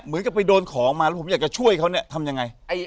เหมือนกับไปโดนของมาแล้วผมอยากจะช่วยเขาเนี่ยทำยังไง